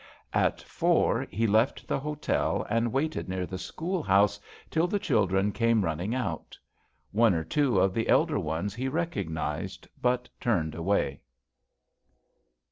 At four he left the hotel and waited near the schoolhouse till the children came running out. One or two of the elder ones he recognized but turned away.